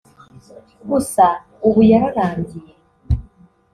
gusa ubu yararangiye